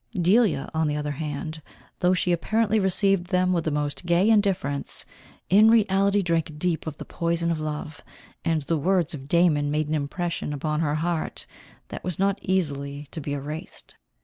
Delia, on the other hand, though she apparently received them with the most gay indifference, in reality drank deep of the poison of love, and the words of Damon made an impression upon her heart, that was not easily to be erased.